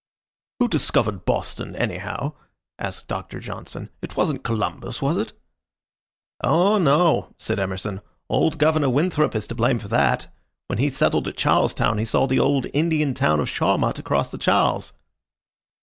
"Who discovered Boston, anyhow?" asked Doctor Johnson. "It wasn't Columbus, was it?" "Oh no," said Emerson. "Old Governor Winthrop is to blame for that. When he settled at Charlestown he saw the old Indian town of Shawmut across the Charles."